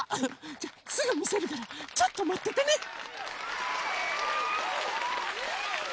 じゃあすぐみせるからちょっとまっててね！